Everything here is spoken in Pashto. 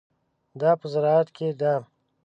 دا په زراعت کې ده.